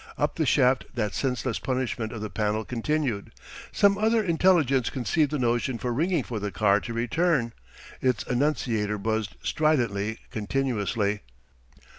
Up the shaft that senseless punishment of the panel continued. Some other intelligence conceived the notion for ringing for the car to return: its annunciator buzzed stridently, continuously.